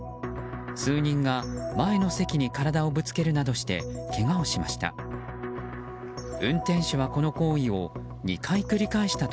数人が前の席に体をぶつけるなどしてけがをしました。